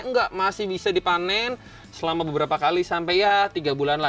enggak masih bisa dipanen selama beberapa kali sampai ya tiga bulan lah